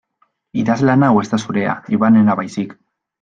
Idazlan hau ez da zurea Ivanena baizik.